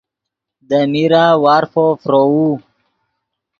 دے میرہ وارفو فروؤ